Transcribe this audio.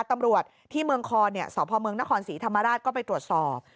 ตำรวจที่เมืองคอสพเมืองนครศรีธรรมราชก็ไปตรวจสอบ